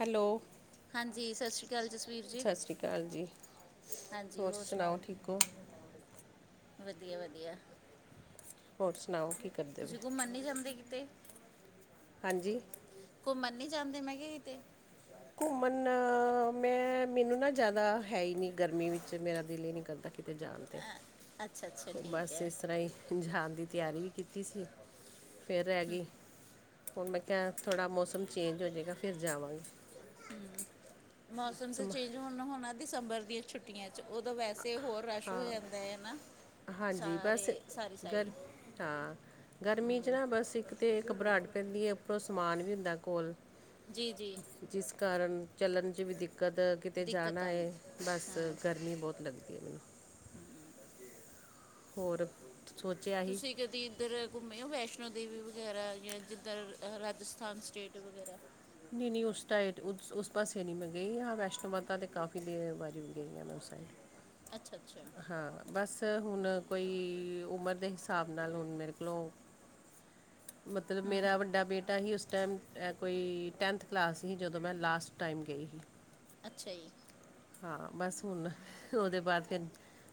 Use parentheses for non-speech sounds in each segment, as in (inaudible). Hello, ਹਾਂਜੀ ਸਸ ਰੀ ਕਾਲ ਜਸਵੀਰ ਜੀ। ਸਸ ਰੀ ਕਾਲ ਜੀ। ਹਾਂਜੀ ਹੋਰ ਸੁਣਾਓ ਸਨਾਓ, ਠੀਕ ਹੋ ਵਦੀਆ-ਵਦੀਆ। ਹੋਰ ਸਨਾਓ ਕੀ ਕਰਦੇ ਪਏ, ਕਿਤੇ ਹਾਂਜੀ। ਘੁੰਮਨ ਨੀ ਜਾਂਦੇ ਮੈਂ ਕਿਆ ਕਿਤੇ। ਘੁੰਮਨ ਮੈਂ ਮੈਨੂੰ ਨਾ ਜ਼ਾਦਾ ਹੈ ਈ ਨੀ ਗਰਮੀ ਵਿੱਚ ਮੇਰਾ ਦਿਲ ਈ ਨਈ ਕਰਦਾ। ਕਿਤੇ ਜਾਣ ਤੇ, ਅੱਛਾ ਅੱਛਾ ਠੀਕ ਬਸ ਹੈ ਏਸ ਤਰ੍ਹਾਂ ਈ ਜਾਨ ਦੀ ਤਿਆਰੀ ਵੀ ਕੀਤੀ ਸੀ। ਫੇਰ ਰੈ ਗੀ, ਹੁਨ ਮੈਂ ਕਿਆ ਥੋੜ੍ਹਾ ਮੌਸਮ ਚੇਂਜ ਹੋ ਜੇਗਾ ਫਿਰ ਜਾਵਾਂਗੀ। ਮੌਸਮ ਤੇ ਸਮ ਚੇਂਜ ਹਾਂ ਹੁਨ ਹੋਨੈ ਦਿਸੰਬਰ ਦੀਆਂ ਛੁੱ ਛੁਟੀਆਂ ਚ ਓਦੋਂ ਵੈਸੇ ਹੋਰ ਰਸ਼ ਹੋ ਜਾਂਦਾ ਐ ਨਾ। ਹਾਂਜੀ ਸਾਰੇ ਬਸ ਸਾਰੀ ਸਾਈਡ। ਗਰ ਹਾਂ ਗਰਮੀ ਚ ਨਾ ਬਸ ਇੱਕ ਤਾ ਘਬਰਾਟ ਪੈਂਦੀ ਏ ਉਪਰੋਂ ਸਮਾਨ ਵੀ ਹੁੰਦੈ ਕੋਲ। ਜੀ-ਜੀ। ਜਿਸ ਕਾਰਨ ਚੱਲਨ ਚ ਵੀ ਦਿੱਕਤ ਕਿਤੇ ਦਿੱਕਤ ਜਾਨਾ ਏ ਆਉਂਦੀ ਬਸ ਹਾਂ ਗਰਮੀ ਬੋਤ ਲੱਗਦੀ ਐ ਮੈਨੂੰ। ਹੋਰ ਸੋਚੇਆ ਹੀ ਜਦ ਇੱਦਰ ਘੁੰਮੇ ਹੋ ਵੈਸ਼ਨੋ ਦੇਵੀ ਵਗੈਰਾ ਜਾਂ ਜਿੱਦਰ ਰਾਜਸਥਾਨ ਸਟੇਟ ਵਗੈਰਾ ਨਈ-ਨਈ ਉਸ ਟਾਈਟ ਉਸ ਉਸ ਪਾਸੇ ਨੀ ਮੈਂ ਗਈ ਹਾਂ ਵੈਸ਼ਨੋ ਮਾਤਾ ਤੇ ਕਾਫੀ ਦੇਰ ਵਾਰੀ ਗਈ ਆਂ ਮੈਂ ਉਸ ਸਾਈਡ ਅੱਛਾ-ਅੱਛਾ। ਹਾਂ, ਬਸ ਹੁਨ ਕੋਈ ਉਮਰ ਦੇ ਹਿਸਾਬ ਨਾਲ ਹੁਨ ਮੇਰੇ ਕੋਲੋਂ (inaudible) ਮਤਲਬ ਮੇਰਾ ਵੱਡਾ ਬੇਟਾ ਹੀ ਉਸ ਟੈਮ ਕੋਈ ਟੈਂਥ ਕਲਾਸ ਸੀ, ਜਦੋਂ ਮੈਂ ਲਾਸਟ ਟਾਈਮ ਗਈ ਸੀ। ਅੱਛਾ ਜੀ ਹਾਂ, ਬਸ ਹੁਨ ਓਦੇ ਬਾਦ ਫਿਰ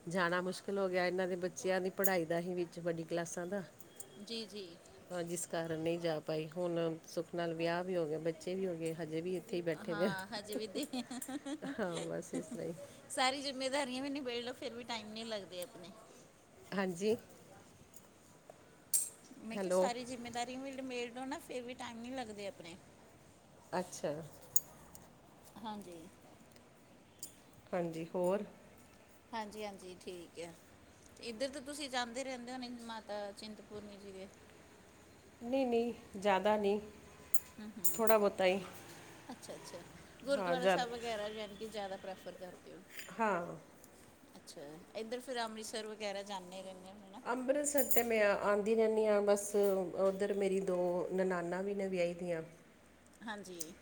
ਜਾਨਾ ਮੁਸ਼ਕਿਲ ਹੋ ਗੇਆ ਏਨਾਂ ਦੇ ਬੱਚਿਆਂ ਦੀ ਪੜ੍ਹਾਈ ਦਾ ਹੀ ਵਿੱਚ ਵੱਡੀ ਕਲਾਸਾਂ ਦਾ ਜੀ ਜੀ। ਹਾਂ, ਜਿਸ ਕਾਰਨ ਨਈ ਜਾ ਪਾਈ, ਹੁਣ ਸੁੱਖ ਨਾਲ ਵਿਆਹ ਵੀ ਹੋ ਗਿਆ, ਬੱਚੇ ਵੀ ਹੋ ਗਏ, ਹਜੇ ਵੀ ਇੱਥੇ ਹੀ ਬੈਠੇ ਨੇ ਹਾਂ ਹਜੇ ਵੀ ਦੇਖ ਹਾਂ, ਬਸ ਇਸ ਤਰ੍ਹਾਂ ਈ ਸਾਰੀ ਜਿੰਮੇਦਾਰੀਆਂ ਵੀ ਨਿਬੇੜ ਲੋ ਫਿਰ ਵੀ ਟਾਈਮ ਨੀ ਲੱਗਦੇ ਅਪਣੇ ਹਾਂਜੀ ਮੈਂ ਕਿਆ, ਹੈਲੋ ਸਾਰੀ ਜਿੰਮੇਦਾਰੀ ਵੀ ਨੀਮੇੜ ਲੋ ਨਾ ਫੇਰ ਵੀ ਟਾਈਮ ਨੀ ਲੱਗਦੇ ਅਪਣੇ ਅੱਛਾ ਹਾਂਜੀ। ਹਾਂਜੀ ਹੋਰ। ਹਾਂਜੀ, ਹਾਂਜੀ ਠੀਕ ਏ। ਇੱਧਰ ਤੇ ਤੁਸੀਂ ਜਾਂਦੇ ਰਹਿੰਦੇ ਹੋਣੇ, ਮਾਤਾ ਚਿੰਤਪੂਰਨੀ ਜੀ ਦੇ। ਨਈਂ ਨਈਂ, ਜ਼ਿਆਦਾ ਨਈਂ, ਥੋੜ੍ਹਾ ਬੋਤਾ ਈ। ਅੱਛਾ ਅੱਛਾ, ਗੁਰਦੁਆਰਾ ਸਾਹਿਬ ਵਗੈਰਾ ਯਾਨੀ ਕਿ ਜ਼ਿਆਦਾ ਪ੍ਰੈਫਰ ਕਰਦੇ ਔ। ਹਾਂ। ਅੱਛਾ, ਇੱਧਰ ਫਿਰ ਅੰਮ੍ਰਿਤਸਰ ਵਗੈਰਾ ਜਾਂਦੇ ਰੇਣੇ ਹੁਣੇ ਨਾ ਅੰਮ੍ਰਿਤਸਰ ਤੇ ਮੈਂ ਆਂਦੀ ਰਹਿਨੀ ਆਂ, ਬਸ ਉੱਧਰ ਮੇਰੀ ਦੋ ਨਨਾਨਾਂ ਵੀ ਵਿਆਈ ਦੀਆਂ। ਹਾਂਜੀ।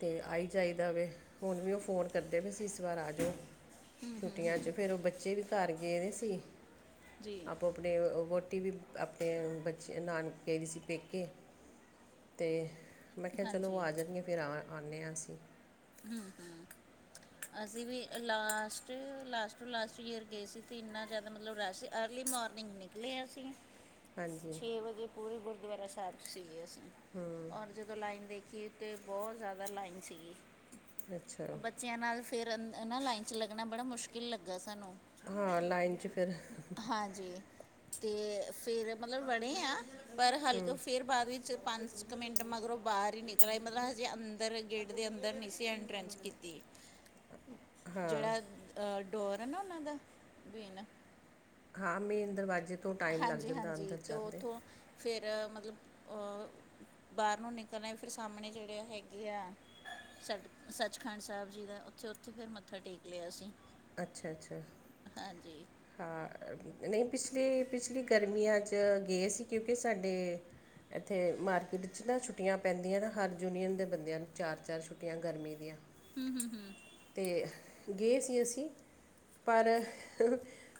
ਤੇ ਆਈ ਜਾਈਦਾ ਵੇ, ਹੁਣ ਵੀ ਉਹ ਫੋਨ ਕਰਦੇ ਪੇ ਸੀਂ ਇਸ ਵਾਰ ਆ ਜੋ ਛੁੱਟੀਆਂ ਚ ਫੇਰ ਉਹ ਬੱਚੇ ਵੀ ਘਰ ਗਏ ਦੇ ਸੀ ਜੀ ਆਪੋ ਆਪਣੇ ਵਹੁਟੀ ਵੀ ਆਪਣੇ ਬਚੇ ਨਾਨਕੇ ਗੇ ਦੀ ਸੀ ਪੇਕੇ ਤੇ ਮੈਂ ਕਿਆ, ਚਲੋ ਉਹ ਹਾਂਜੀ ਆ ਜਾਣਗੇ ਫਿਰ ਆਵਾਂ ਆਣੇ ਆਂ ਅਸੀਂ। ਹਂ, ਹਂ। ਅਸੀਂ ਵੀ last, last to last year ਗਏ ਸੀ ਤੇ ਇੰਨਾ ਜ਼ਿਆਦਾ ਮਤਲਬ ਰਸ਼ ਸੀ ਅਰਲੀ ਮੋਰਨਿੰਗ ਨੀ ਲਿਆਸੀ ਹਾਂਜੀ ਛੇ ਵਜੇ ਪੂਰੇ ਗੁਰਦੁਆਰਾ ਸਾਹਿਬ ਸੀਗੇ ਅਸੀਂ ਔਰ ਜਦੋਂ ਲਾਈਨ ਦੇਖੀਏ ਤੇ ਬੋਤ ਜ਼ਿਆਦਾ ਲਾਈਨ ਸੀਗੀ। ਅੱਛਾ। ਬੱਚਿਆਂ ਨਾਲ ਫਿਰ ਅ ਨਾ ਲਾਈਨ ਚ ਲੱਗਣਾ ਬੜਾ ਮੁਸ਼ਕਿਲ ਲੱਗਾ ਸਾਨੂੰ। ਹਾਂ ਲਾਈਨ ਚ ਫਿਰ। ਹਾਂਜੀ ਤੇ ਫਿਰ ਮਤਲਬ (unintelligible) ਆ ਪਰ ਹਲਕਾ ਫਿਰ ਬਾਅਦ ਵਿੱਚ ਪੰਜ ਕੁ ਮਿੰਟ ਮਗਰੋਂ ਉਹ ਬਾਹਰ ਈ ਨਿਕਲ ਆਈ ਮਤਲਬ ਹਜੇ ਅੰਦਰ ਗੇਟ ਦੇ ਅੰਦਰ ਨ੍ਹੀਂ ਸੀ ਤੇ ਐਂਟਰੈਂਸ ਕੀਤੀ ਜਿਹੜਾ ਅ ਡੋਰ ਏ ਨਾ ਉਹਨਾਂ ਦਾ ਬੇਨ ਹਾਂ, ਮੇਨ ਦਰਵਾਜ਼ੇ ਤੋਂ ਟਾਈਮ ਲੱਗ ਹਾਂਜੀ, ਜਾਂਦਾ ਹਾਂਜੀ ਅੰਦਰ ਤੇ ਜਾਂਦੇ ਉੱਥੋਂ ਫਿਰ ਮਤਲਬ ਓ ਬਾਰ ਨੂੰ ਨਿਕਲ ਆਈ ਫਿਰ ਸਾਹਮਣੇ ਜਿਹੜੇ ਹੈਗੇ ਆ ਸਟ ਸੱਚਖੰਡ ਸਾਹਿਬ ਜੀ ਦਾ, ਉੱਥੇ ਉੱਥੇ ਫਿਰ ਮੱਥਾ ਟੇਕ ਲਿਆ ਅਸੀਂ। ਅੱਛਾ ਅੱਛਾ। ਹਾਂਜੀ ਹਾਂ, ਨਈਂ ਪਿਛਲੀ, ਪਿਛਲੀ ਗਰਮੀਆਂ ਚ ਗਏ ਸੀ ਕਿਉਂਕਿ ਸਾਡੇ ਇੱਥੇ ਮਾਰਕੀਟ ਚ ਨਾ ਛੁੱਟੀਆਂ ਪੈਂਦੀਆਂ ਨਾ ਹਰ ਯੂਨੀਅਨ ਦੇ ਬੰਦਿਆਂ ਨੂੰ ਚਾਰ-ਚਾਰ ਛੁੱਟੀਆਂ ਗਰਮੀ ਦੀਆਂ। ਹਂ, ਹਂ, ਹਂ। ਤੇ ਗੇ ਸੀ ਅਸੀਂ ਪਰ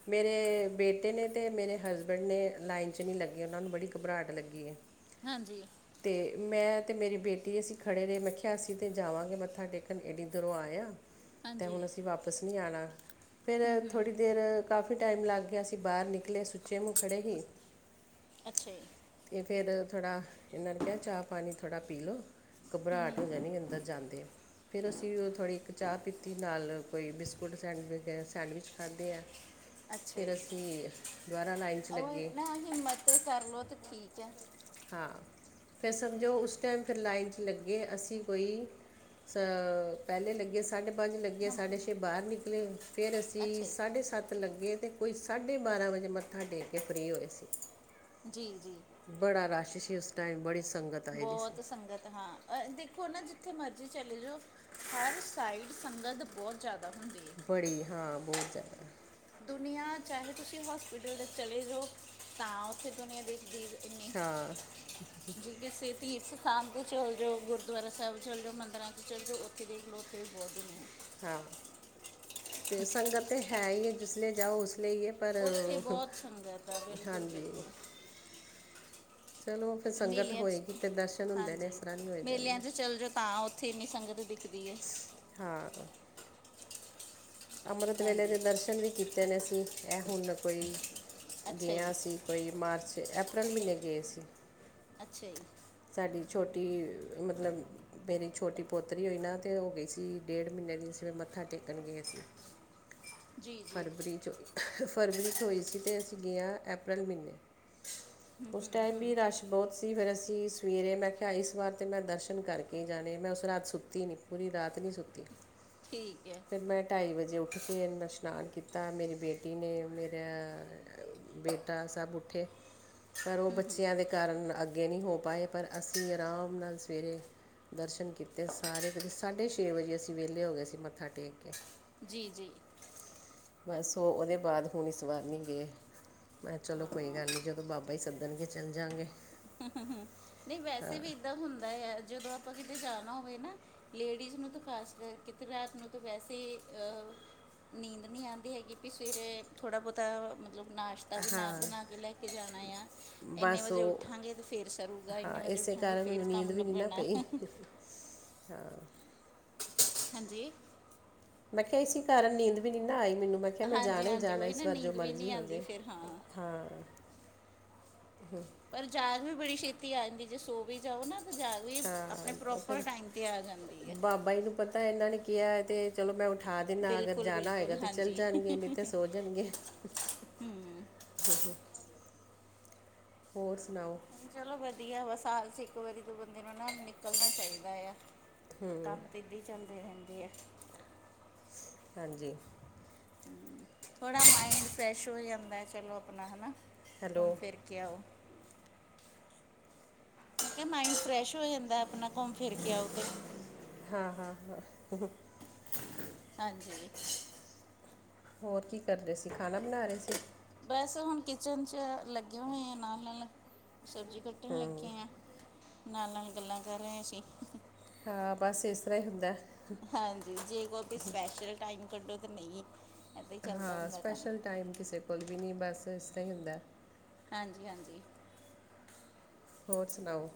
ਮੇਰੇ ਬੇਟੇ ਨੇ ਤੇ ਮੇਰੇ ਹਸਬੈਂਡ ਨੇ ਲਾਈਨ ਚ ਨਈਂ ਲੱਗੇ ਉਹਨਾਂ ਨੂੰ ਬੜੀ ਘਬਰਾਹਟ ਲੱਗੀ ਐ। ਹਾਂਜੀ। ਅਤੇ ਮੈਂ ਤੇ ਮੇਰੀ ਬੇਟੀ ਅਸੀਂ ਖੜ੍ਹੇ ਰਹੇ ਮੈਂ ਕਿਹਾ ਅਸੀਂ ਤਾਂ ਜਾਵਾਂਗੇ ਮੱਥਾ ਟੇਕਣ ਏਨੀ ਦੁਰੋਂ ਆਯੇ ਆ। ਤੇ ਹਾਂਜੀ ਹੁਣ ਅਸੀਂ ਵਾਪਿਸ ਨੀ ਆਣਾ ਫੇਰ ਥੋੜ੍ਹੀ ਦੇਰ ਕਾਫੀ ਟਾਈਮ ਲੱਗ ਗਿਆ ਸੀ ਅਸੀਂ ਬਾਹਰ ਨਿਕਲੇ ਸੁੱਚੇ ਮੂੰਹ ਖੜ੍ਹੇ ਹੀ ਅੱਛਾ ਜੀ ਤੇ ਫਿਰ ਥੋੜ੍ਹਾ ਏਨਾਂ ਨੇ ਕੇਹਾ ਚਾਹ-ਪਾਣੀ ਥੋੜ੍ਹਾ ਪੀ ਲੋ ਘਬਰਾਟ ਹੋ ਜਾਣੀ ਅੰਦਰ ਜਾਂਦੇ ਫੇਰ ਅਸੀਂ ਓ ਥੋੜ੍ਹੀ ਇੱਕ ਚਾਹ ਪੀਤੀ ਨਾਲ ਕੋਈ ਬਿਸ ਕੁਟ ਸੈਂਡਵ ਸੈਂਡਵਿਚ ਖਾਦੇ ਆ। ਅੱਛਾ ਫੇਰ ਜੀ ਅਸੀਂ ਦੋਬਰਾਾ ਲਾਈਨ ਚ ਲੱਗੇ। ਹੈ ਹਿੰਮਤ ਕਰ ਲੋ ਤੇ ਠੀਕ ਐ। ਹਾਂ ਫਿਰ ਸਮਝੋ ਉਸ ਟਾਈਮ ਫਿਰ ਲਾਈਨ ਚ ਲੱਗੇ ਅਸੀਂ ਕੋਈ ਸ ਪੈਲੇ ਲੱਗੇ ਸੀ ਸਾਢੇ ਪੰਜ ਲੱਗੇ ਨਮਕ ਸਾਢੇ ਛੇ ਨਹੀਂ ਬਾਹਰ ਨਿਕਲੇ ਫੇਰ ਅਸੀਂ ਅੱਛਾ ਜੀ ਸਾਢੇ ਸੱਤ ਲੱਗੇ ਤੇ ਕੋਈ ਸਾਢੇ ਬਾਰਾਂ ਵਜੇ ਮੱਥਾ ਟੇਕ ਕੇ ਫ੍ਰੀ ਹੋਏ ਸੀ। ਜੀ-ਜੀ। ਬੜਾ ਰਸ਼ ਸੀ ਉਸ ਟਾਈਮ ਬੜੀ ਸੰਗਤ ਆਈ ਦੀ ਸੀ ਬੋਹਤ ਸੰਗਤ ਹਾਂ ਦੇਖੋ ਨਾ ਜਿੱਥੇ ਮਰਜ਼ੀ ਚਲੇ ਜਾਓ ਹਰ ਸਾਈਡ ਸੰਗਤ ਬੋਹਤ ਜ਼ਿਆਦਾ ਹੁੰਦੀ ਐ। ਬੜੀ ਹਾਂ ਬੋਤ ਜ਼ਿਆਦਾ। ਦੁਨੀਆ ਚਾਹੇ ਤੁਸੀਂ ਹੋਸਪਿਟਲ ਦੇ ਚਲੇ ਜੋ ਤਾਂ ਓਥੇ ਦੁਨੀਆ ਦਿਖੇਗੀ। ਹਾਂ (unintelligible) ਜੀ ਕਿਸੇ ਤੀਰਥ ਸਥਾਨ ਤੇ ਚੱਲ ਜੋ ਗੁਰਦੁਆਰਾ ਸੈਬ ਚੱਲ ਜੋ ਮੰਦਿਰਾਂ ਤੇ ਚੱਲ ਜੋ ਫਿਰ ਦੇਖ ਲੋ ਓਥੇ ਵੀ‌ ਬੋਤ ਹੁੰਦੀ ਦੂਨੀਆਂ। ਹਾਂ ਤੇ ਸੰਗਤ ਤਾਂ ਹੈ ਈ ਏ ਜਿਸਲੇ ਜਾਓ ਉਸ ਲੇ ਈ ਏ। ਪਰ ਉੱਥੇ ਬਹੁਤ ਸੰਗਤ ਆ ਬਿਲਕੁਲ ਹਾਂਜੀ ਬਿਲਕੁਲ ਚਲੋ ਫਿਰ ਸੰਗਤ ਮੇਲੇਆਂ ਹੋਏਗੀ ਚ ਅਤੇ ਦਰਸ਼ਨ ਹੁੰਦੇ ਨੇ ਹਾਂਜੀ ਇਸ ਤਰ੍ਹਾਂ ਨਹੀਂ ਹੋਏ ਮੇਲਆਂ ਜਾਂਦੇ ਚ ਚੱਲ ਜੋ ਤਾਂ ਓਥੇ ਇੰਨੀ ਸੰਗਤ ਦਿਖ ਦੀ ਏ। ਹਾਂ। ਅੰਮ੍ਰਿਤ ਵੇਲੇ ਹਾਂਜੀ ਦੇ ਦਰਸ਼ਨ ਵੀ ਕੀਤੇ ਨੇ ਅਸੀ ਐ ਹੁਣ ਕੋਈ ਅੱਛਾ ਗੇ ਆ ਜੀ ਅਸੀ ਕੋਈ ਮਾਰਚ ਐਪ੍ਰੈਲ ਮੀਨੇ ਗਏ ਸੀਂ। ਅੱਛਾ ਜੀ। ਸਾਡੀ ਛੋਟੀ ਮਤਲਬ ਮੇਰੀ ਛੋਟੀ ਪੋਤਰੀ ਹੋਈ ਨਾ ਤੇ ਹੋ ਗਈ ਸੀ ਡੇਢ ਮੀਨੇ ਦੀ ਅਸੀਂ ਫੇਰ ਮੱਥਾ ਟੇਕਣ ਗਏ ਸੀ। ਜੀ ਜੀ ਫਰਵਰੀ ਚ ਫਰਵਰੀ ਚ ਹੋਈ ਸੀ ਤੇ ਅਸੀਂ ਗਏ ਹਾਂ ਅਪ੍ਰੈਲ ਮੀਨੇ ਉਸ ਟਾਈਮ ਵੀ ਰਾਸ਼ ਬੋਤ ਸੀ ਫਿਰ ਅਸੀਂ ਸਵੇਰੇ ਮੈਂ ਕੇਹਾ ਇਸ ਵਾਰ ਤੇ ਮੈਂ ਦਰਸ਼ਨ ਕਰਕੇ ਜਾਣੇ ਆ ਮੈ ਉਸ ਰਾਤ ਸੁੱਤੀ ਨੀ ਪੂਰੀ ਰਾਤ ਨੀ ਸੁੱਤੀ। ਠੀਕ ਐ। ਫਿਰ ਮੈਂ ਢਾਈ ਵਜੇ ਉੱਠ ਕੇ ਨਸ਼ਨਾਨ ਕੀਤਾ ਮੇਰੀ ਬੇਟੀ ਨੇ ਮੇਰੇ ਬੇ ਤਾਂ ਸਭ ਉੱਠੇ। ਪਰ ਓ ਬੱਚਿਆਂ ਦੇ ਕਾਰਨ ਅੱਗੇ ਨਈ ਹੋ ਪਾਏ ਪਰ ਅਸੀਂ ਆਰਾਮ ਨਾਲ ਸਵੇਰੇ ਦਰਸ਼ਨ ਕਰ ਕੀਤੇ ਸਾਰੇ ਕਿਤੇ ਸਾਢੇ ਛੇ ਵਜੇ ਅਸੀਂ ਵੇਲੇ ਹੋਗੇ ਸੀ ਮੱਥਾ ਟੇਕ ਕੇ। ਜੀ-ਜੀ। ਬਸ ਉਹ ਉਹਦੇ ਬਾਅਦ ਹੁਣ ਇਸ ਵਾਰ ਨਹੀਂ ਗਏ ਮੈਂ ਕਿਹਾ ਚਲੋ ਕੋਈ ਹਾਂ ਗੱਲ ਨਹੀਂ ਜਦੋਂ ਬਾਬਾ ਹੀ ਸੱਦਣਗੇ ਚੱਲ ਜਾਂਗੇ ਹ ਨਹੀਂ ਵੈਸੇ ਵੀ ਏਦਾਂ ਹੁੰਦਾ ਆ ਜਦੋਂ ਆਪਾਂ ਕਿਤੇ ਜਾਣਾ ਹੋਵੇ ਨਾ ਲੇਡੀਜ਼ ਨੂੰ ਤਾਂ ਖ਼ਾਸ ਕਰਕੇ ਕਿਤੇ ਰਾਤ ਨੂੰ ਤਾਂ ਵੈਸੇ ਅ ਨੀਂਦ ਨਹੀਂ ਆਂਦੀ ਹੈਗੀ ਵੀ ਸਵੇਰੇ ਥੋੜ੍ਹਾ ਬਹੁਤਾ ਮਤਲਬ ਨਾਸ਼ ਤਾਂ ਵੀ ਨਾ ਹਾਂ ਬਣਾ ਕੇ ਲੈ ਕੇ ਜਾਣਾ ਆ ਇੰਨੇ ਬਸ ਵਜੇ ਉੱਠ ਉਹ ਉੱਠਾਂਗੇ ਤੇ ਫੇਰ ਸਰੂਗਾ ਇੰਨੇ ਹਾਂ ਵਜੇ ਇਸੇ ਉੱਠਾਂਗੇ ਕਾਰਨ ਫੇਰ ਮੈਨੂੰ ਕੰਮ ਨੀਂਦ ਵੀ ਨਹੀਂ ਨਾ ਲਭਣਾ ਪਈ (inaudible) ਹਾਂਜੀ ਮੈਂ ਕਿਹਾ ਇਸ ਕਾਰਨ ਨੀਂਦ ਵੀ ਨਹੀਂ ਨਾ ਆਈ ਮੈਨੂੰ ਮੈਂ ਕਿਹਾ ਮੈਂ ਹਾਂਜੀ ਜਾਣਾ ਹੀ ਹਾਂਜੀ ਜਾਣਾ ਉਹੀ ਇਸ ਨਾ ਵਾਰ ਜੋ ਨੀਂਦ ਵੀ ਮਰਜ਼ੀ ਨਹੀਂ ਹੋ ਆਉਂਦੀ ਜੇ ਫਿਰ ਹਾਂ ਹ ਪਰ ਜਾਗ ਵੀ ਬੜੀ ਛੇਤੀ ਆ ਜਾਂਦੀ ਜੇ ਸੋ ਵੀ ਜਾਓ ਨਾ ਜਾਗ ਹਾਂ ਆਪਣੇ ਪ੍ਰੋਪਰ ਟਾਈਮ ਤੇ ਆ ਜਾਂਦੀ ਹੈ। ਬਾਈ ਨੂੰ ਪਤ ਤਾਂ ਇਹਨਾਂ ਨੇ ਕਿਹਾ ਹੈ ਤੇ ਚਲੋ ਮੈਂ ਉਠਾ ਦਿੰਦਾ ਅਗਰ ਬਿਲਕੁਲ ਜਾਣਾ ਬਿਲਕੁਲ ਹੋਏਗਾ ਤਾਂ ਚੱਲ ਹਾਂਜੀ ਜਾਣਗੇ ਨਹੀਂ ਤਾਂ ਸੋ ਜਾਣਗੇ ਹਮ ਹੋਰ ਸੁਣਾਓ ਚਲੋ ਵਧੀਆ ਬਸ ਹਾਲ 'ਚ ਇੱਕ ਵਾਰੀ ਦੋ ਬੰਦੇ ਨੂੰ ਨਾ ਨਿਕਲਣਾ ਚਾਹੀਦਾ ਆ ਕੰਮ ਤੇ ਇਦਾ ਇ ਚੱਲਦੇ ਰਹਿੰਦੇ ਏ ਹਾਂਜੀ ਥੋੜ੍ਹਾ ਮਾਈੰਡ ਫਰੈਸ਼ ਹੋ ਜਾਂਦਾ ਚਲੋ ਆਪਣਾ ਹੈਨਾ ਘੁੰਮ ਹੈਲੋ ਫਿਰ ਕੇ ਆਓ ਕੇ ਮਾਇੰਡ ਫਰੈਸ਼ ਹੋ ਜਾਂਦਾ ਆਪਣਾ ਘੁੰਮ ਫਿਰ ਕੇ ਆਓ ਤੇ ਹਾਂ ਹਾਂ ਹਾਂ ਹਾਂਜੀ ਹੋਰ ਕੀ ਕਰ ਰਹੇ ਸੀ ਖਾਣਾ ਬਣਾ ਰਹੇ ਸੀ। ਬਸ ਹੁਣ ਕਿਚਨ 'ਚ ਲੱਗੇ ਹੋਏ ਆ ਨਾਲ ਨਾਲ ਸਬਜ਼ੀ ਕੱਟ ਕੱਟਣ ਲੱਗੇ ਆ ਨਾਲ ਨਾਲ ਗੱਲਾਂ ਕਰ ਰਹੇ ਸੀ। ਹਾਂ ਬਸ ਇਸ ਤਰ੍ਹਾਂ ਹੀ ਹੁੰਦਾ ਹਾਂਜੀ ਜੇ ਕੋਈ ਸਪੈਸ਼ਲ ਟਾਈਮ ਕੱਢੋ ਤਾਂ ਨਹੀਂ ਏਦਾਂ ਹੀ ਚੱਲਦਾ ਹਾਂ ਹੁੰਦਾ ਕੰਮ ਸਪੈਸ਼ਲ ਟਾਈਮ ਕਿਸੇ ਕੋਲ ਵੀ ਨਹੀਂ ਬਸ ਇਸ ਤਰ੍ਹਾਂ ਹੀ ਹੁੰਦਾ ਹਾਂਜੀ ਹਾਂਜੀ ਹੋਰ ਸੁਣਾਓ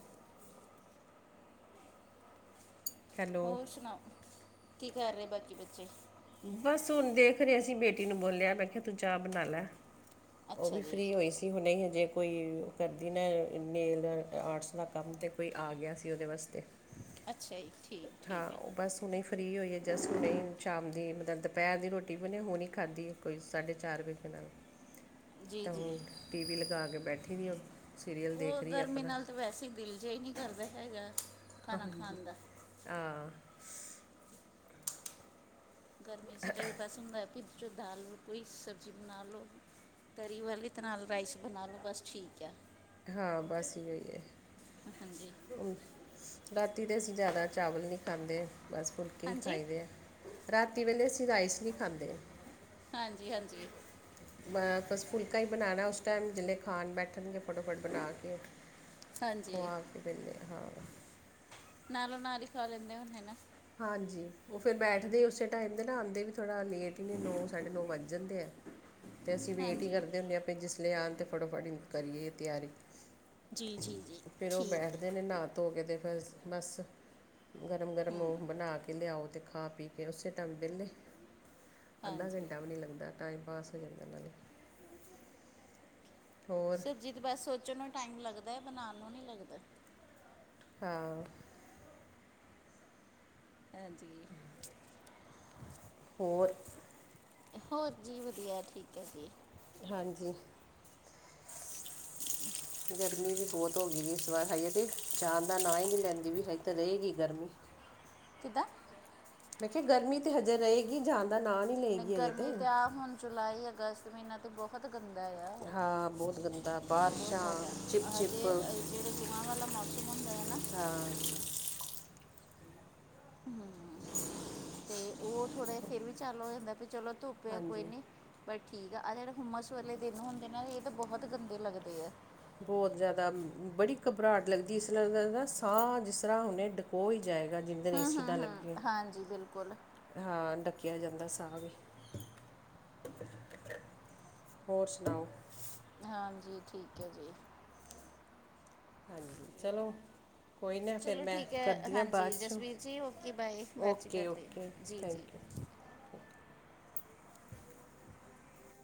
ਹੈਲੋ ਹੋਰ ਸੁਣਾਓ ਕੀ ਕਰ ਰਹੇ ਬਾਕੀ ਬੱਚੇ ਬਸ ਹੁਣ ਦੇਖ ਰਹੇ ਅਸੀਂ ਬੇਟੀ ਨੂੰ ਬੋਲਿਆ ਮੈਂ ਕਿਹਾ ਤੂੰ ਚਾਹ ਬਣਾ ਲੈ ਉਹ ਅੱਛਾ ਵੀ ਜੀ ਫ੍ਰੀ ਹੋਈ ਸੀ। ਸੀ ਹੁਣੇ ਹਜੇ ਕੋਈ ਉਹ ਕਰਦੀ ਨਾ ਨੇਲ ਆਰਟਸ ਦਾ ਕੰਮ ਤਾਂ ਕੋਈ ਆ ਗਿਆ ਸੀ ਉਹਦੇ ਵਾਸਤੇ ਅੱਛਾ ਜੀ ਠੀਕ ਹਾਂ ਹੈ ਉਹ ਬਸ ਹਣੇ ਫਰੀ ਹੋਈ ਹੈ ਜਸਟ ਹਣੇ ਸ਼ਾਮ ਦੀ ਮਤਲਬ ਦੁਪਹਿਰ ਦੀ ਰੋਟੀ ਵੀ ਉਹਨੇ ਹੁਣੀ ਖਾਧੀ ਕੋਈ ਸਾਢੇ ਚਾਰ ਵਜੇ ਦੇ ਨਾਲ (inaudible) ਤਾਂ ਜੀ ਹੁਣ ਟੀ ਵੀ ਲਗਾ ਕੇ ਬੈਠੀ ਰਹੀ ਉਹ ਸੀਰੀਅਲ ਦੇਖ ਉਹ ਰਹੀ ਗਰਮੀ ਆਪਣਾ ਨਾਲ ਤਾਂ ਵੈਸੇ ਹੀ ਦਿਲ ਜਿਹਾ ਹੀ ਨਹੀਂ ਕਰਦਾ ਹੈਗਾ ਖਾਣਾ ਹਾਂਜੀ ਖਾਣ ਦਾ ਹਾਂ ਗਰਮੀ ਚ ਤਾਂ ਬਸ ਹੁੰਦਾ ਵੀ ਦਾਲ ਕੋਈ ਸਬਜ਼ੀ ਬਣਾ ਲਓ ਤਰੀ ਵਾਲੀ ਤ ਨਾਲ ਰਾਈਸ ਬਣਾ ਲਓ ਬਸ ਠੀਕ ਆ ਹਾਂ ਬਸ ਇਹੋ ਹੀ ਹੈ ਹਾਂਜੀ ਰਾਤੀ ਦੇ ਅਸੀਂ ਜ਼ਿਆਦਾ ਚਾਵਲ ਨਹੀਂ ਖਾਂਦੇ ਬਸ ਫੁਲਕੇ ਹੀ ਹਾਂਜੀ ਖਾਈਦੇ ਆ ਰਾਤੀ ਵੇਲੇ ਅਸੀਂ ਰਾਈਸ ਨਹੀਂ ਖਾਂਦੇ ਹਾਂਜੀ ਹਾਂਜੀ ਬਸ ਫੁਲਕਾ ਹੀ ਬਣਾਣਾ ਉਸ ਟਾਈਮ ਜਲੇ ਖਾਣ ਬੈਠਣਗੇ ਫਟੋਫਟ ਬਣਾ ਕੇ। ਹਾਂਜੀ ਖਵਾ ਕੇ ਪਹੇ ਹਾਂ। ਨਾਲੋਂ ਨਾਲ ਹੀ ਖਾ ਲੈਂਦੇ ਹੁਣ ਹਨਾ। ਹਾਂਜੀ ਉਹ ਫਿਰ ਬੈਠਦੇ ਉਸੇ ਟਾਈਮ ਦੇ ਨਾ ਆਉਂਦੇ ਵੀ, ਥੋੜ੍ਹਾ ਲੇਟ ਹੀ ਨਹੀਂ ਨੌਂ ਸਾਢੇ ਨੌ ਵੱਜ ਜਾਂਦੇ ਆ ਅਤੇ ਅਸੀਂ ਵੇਟ ਹੀ ਹਾਂਜੀ ਕਰਦੇ ਹੁੰਦੇ ਹਾਂ ਆਪਾਂ ਜਿਸ ਲਿਆਉਣ ਤੇ ਫਟੋਫਟ ਕਰੀ ਇਹ ਤਿਆਰੀ ਜੀ ਜੀ ਜੀ ਫਿਰ ਉਹ ਠੀਕ ਹੈ ਬੈਠਦੇ ਨੇ ਨਹਾਂ ਧੋ ਕੇ ਅਤੇ ਫਿਰ ਬਸ ਗਰਮ ਗਰਮ ਬਣਾ ਕੇ ਲਿਆਓ ਅਤੇ ਖਾ ਪੀ, ਅਤੇ ਉਸੇ ਟਾਈਮ ਵਿਹਲੇ ਅੱਧਾ ਹਾਂਜੀ ਘੰਟਾ ਵੀ ਨਹੀਂ ਲੱਗਦਾ ਟਾਈਮ ਪਾਸ ਹੋ ਜਾਂਦਾ ਉਹਨਾਂ ਨੇ, ਹੋਰ ਸਬਜ਼ੀ ਤੇ ਬਸ ਸੋਚਣ ਨੂੰ ਟਾਈਮ ਲੱਗਦਾ ਬਣਾਉਣ ਨੂੰ ਨੀ ਲੱਗਦਾ ਹਾਂ ਹਾਂਜੀ ਜੀ ਹੋਰ? ਹੋਰ ਜੀ ਵਧੀਆ ਠੀਕ ਹੈ ਜੀ, ਹਾਂਜੀ, (unintelligible) ਗਰਮੀ ਵੀ ਬਹੁਤ ਹੋ ਗਈ ਵੀ ਇਸ ਵਾਰ ਹਜੇ ਤੇ ਜਾਣ ਦਾ ਨਾਂ ਹੀ ਨਹੀਂ ਲੈਂਦੀ ਵੀ ਹਜੇ ਤਾਂ ਰਹੇਗੀ ਗਰਮੀ ਕਿਦਾਂ? ਮੈਂ ਕਿਹਾ ਗਰਮੀ ਤੇ ਹਜੇਰ ਰਹੇਗੀ ਜਣ ਦਾ ਨਾਂ ਨੀ ਨਹੀਂ ਲਏਗੀ ਅਜੇ ਤੇ ਗਰਮੀ ਆ ਹੁਣ ਜੁਲਾਈ ਅਗਸਤ ਮਹੀਨਾ ਬਹੁਤ ਗੰਦਾ ਆ ਹਾਂ ਬਹੁਤ ਗੰਦਾ ਬਹੁਤ ਬਾਰਿਸ਼ਾਂ ਜ਼ਿਆਦਾ ਚਿਪ ਹਜੇ ਚਿਪ ਜਿਹੜੇ ਲੂਹਾਂ ਵਾਲਾ ਮੌਸਮ ਸੰਬੰਧ ਹੈ ਨਾ ਹਾਂ, ਹੂੰ, ਤੇ ਉਹ ਥੋੜ੍ਹਾ ਜਿਹਾ ਫਿਰ ਵੀ ਚੱਲ ਹੋ ਜਾਂਦਾ ਵੀ ਚਲੋ ਧੁੱਪਿਆ ਕੋਈ ਹਾਂਜੀ ਨਹੀਂ ਬਟ ਠੀਕ ਆਹ ਜਿਹੜੇ ਹੁੰਮਸ ਵਾਲੇ ਦਿਨ ਹੁੰਦੇ ਨਾ ਇਹ ਤਾਂ ਬਹੁਤ ਗੰਦੇ ਲੱਗਦੇ ਆ। ਬਹੁਤ ਜ਼ਿਆਦਾ ਬੜੀ ਘਬਰਾਹਟ ਲੱਗਦੀ ਇਸਰ੍ਹਾਂਦਾ ਸਾਹ ਜਿਸ ਤਰ੍ਹਾ ਕੋ ਹੀ ਜਾਏਗਾ ਜਿੰਦੇ ਨੂੰ ਹੂੰ ਏਸੀ ਹੂੰ ਨਾ ਹੂੰ ਲੱਗੇ ਹਾਂਜੀ ਬਿਲਕੁਲ ਹਾਂ ਡੱਕਿਆ ਜਾਂਦਾ ਸਾਹ ਵੀ ਹੋਰ ਸੁਣਾਓ? ਹਾਂਜੀ ਠੀਕ ਹੈ ਜੀ। ਹਾਂਜੀ ਚਲੋ, ਕੋਈ ਨਾ ਫਿਰ ਚਲੋ ਮੈਂ ਠੀਕ ਹੈ ਕਰਦੀ ਹਾਂ ਹਾਂਜੀ ਬਾਅਦ ਚ ਜਸਵੀਰ ਜੀ ਓਕੇ ਬਾਏ ਬਾਅਦ ਚ ਓਕੇ ਕਰਦੇ ਓਕੇ ਹਾਂ। ਜੀ ਜੀ ਥੈਂਕ ਯੂ